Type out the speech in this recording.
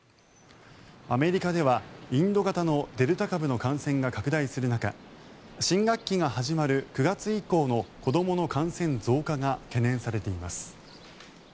アメリカではインド型のデルタ株の感染が拡大する中新学期が始まる９月以降の子どもの感染増加が懸念されています。